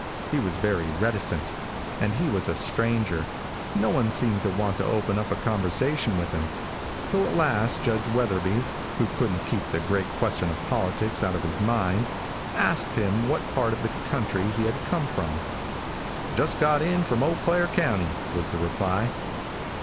He was very reticent, and as he was a stranger, no one seemed to want to open up a conversation with him, till at last Judge Wetherby, who couldn't keep the great question of politics out of his mind, asked him what part of the country he had come from. "Just got in from Eau Claire county," was the reply.